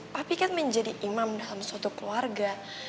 tapi kan menjadi imam dalam suatu keluarga